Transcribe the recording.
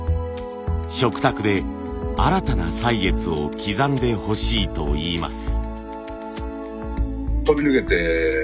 食卓で新たな歳月を刻んでほしいといいます。